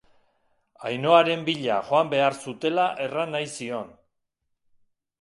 Ainhoaren bila joan behar zutela erran nahi zion.